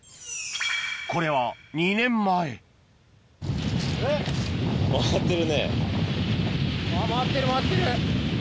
これは２年前・回ってる回ってる！